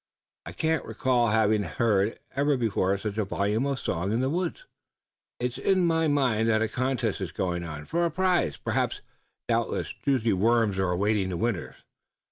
I can't recall having heard ever before such a volume of song in the woods. It's in my mind that a contest is going on, for a prize, perhaps. Doubtless juicy worms are awaiting the winners."